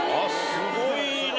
すごいね。